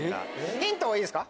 ヒントいいですか。